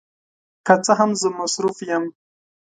که څه هم، زه مصروف یم.